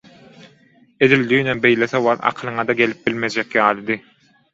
Edil düýnem beýle sowal akylyňa-da gelip bilmejek ýalydy.